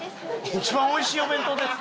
「一番おいしいお弁当です」？